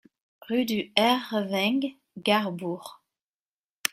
Rue du Ehrenweg, Garrebourg